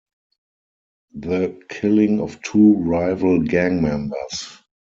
The killing of two rival gang members.